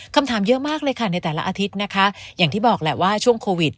คำถามเยอะมากเลยค่ะในแต่ละอาทิตย์นะคะอย่างที่บอกแหละว่าช่วงโควิด